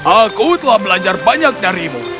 aku telah belajar banyak darimu